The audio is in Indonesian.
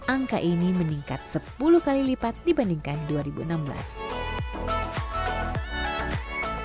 angka ini meningkat sepuluh kali lipat dibandingkan sebelumnya